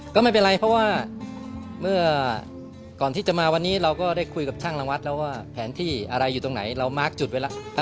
ก็ไม่เป็นไรเพราะว่าเมื่อก่อนที่จะมาวันนี้เราก็ได้คุยกับช่างรังวัดแล้วว่าแผนที่อะไรอยู่ตรงไหนเรามาร์คจุดไว้แล้ว